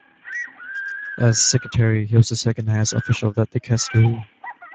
As Secretary, he was the second-highest official of that dicastery.